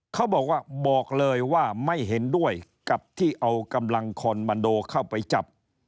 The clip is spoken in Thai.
เขาบอกว่าบอกเลยว่าไม่เห็นด้วยกับที่เอากำลังคอนมันโดเข้าไปจับ